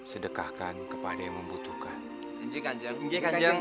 sedekahkan kepada yang membutuhkan